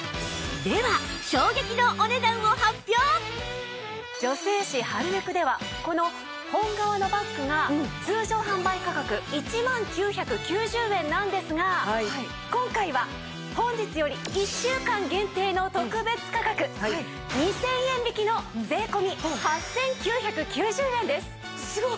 では女性誌『ハルメク』ではこの本革のバッグが通常販売価格１万９９０円なんですが今回は本日より１週間限定の特別価格２０００円引きの税込８９９０円です。